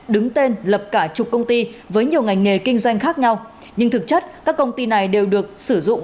đứng tên lập cả chục công ty với nhiều ngành nghề kinh doanh khác nhau nhưng thực chất các công ty này đều được sử dụng